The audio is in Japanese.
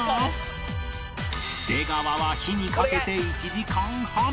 出川は火にかけて１時間半